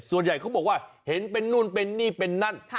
ส่วนใหญ่เขาบอกว่าเห็นเป็นนู่นเป็นนี่เป็นนั่น